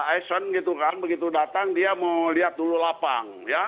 ison gitu kan begitu datang dia mau lihat dulu lapang